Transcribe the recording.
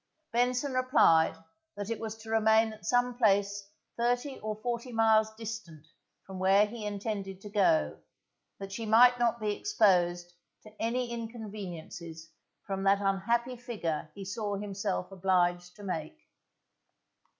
Benson replied that it was to remain at some place thirty or forty miles distant from where he intended to go, that she might not be exposed to any inconveniences from that unhappy figure he saw himself obliged to make.